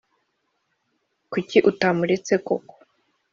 kuki utamuretse koko